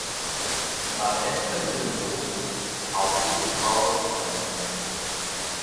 Da véspera de Ano Novo ao Festival das Lanternas